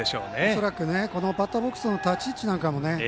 恐らくバッターボックスの立ち位置なんかもね